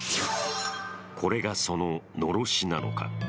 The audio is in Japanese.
これがその、のろしなのか。